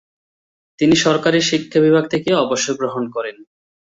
তিনি সরকারী শিক্ষা-বিভাগ থেকে অবসর-গ্ৰহণ করেন।